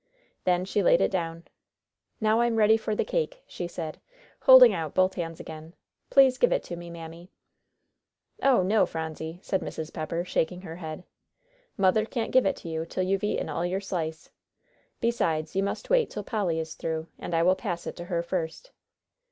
Then she laid it down. "Now I'm ready for the cake," she said, holding out both hands again. "Please give it to me, Mammy." "Oh, no, Phronsie," said Mrs. Pepper, shaking her head, "Mother can't give it to you till you've eaten all your slice. Besides, you must wait till Polly is through, and I will pass it to her first."